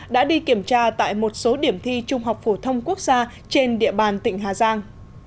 đã đi kiểm tra tại một số điểm thi trung học phổ thông quốc gia trên địa bàn tỉnh hà giang